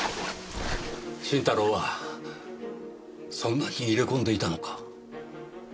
新太郎はそんなに入れ込んでいたのか？